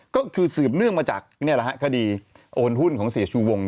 ก็คือสืบเนื่องมาจากคดีโอนหุ้นของเสียชูวง